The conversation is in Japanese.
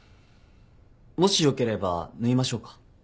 もしよければ縫いましょうか？